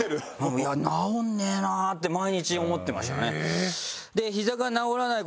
いや治んねえなって毎日思ってましたね。